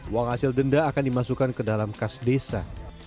uang hasil denda akan dimasukkan ke dalam kas desa